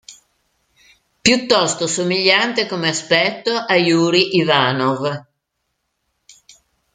Piuttosto somigliante come aspetto a Yuri Ivanov.